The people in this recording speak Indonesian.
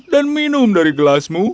dan minum dari gelasmu